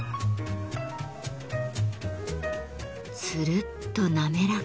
つるっと滑らか。